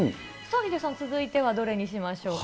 ヒデさん、続いてはどれにしましょうか。